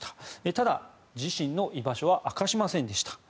ただ、自身の居場所は明かしませんでした。